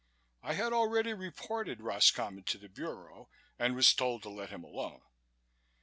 I had already reported Roscommon to the Bureau and was told to let him alone.